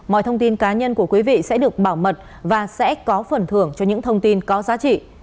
mọi thông tin cá nhân của quý vị sẽ được bảo mật và sẽ có phần thưởng cho những thông tin có giá trị